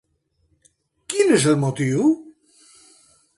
Quin és el motiu?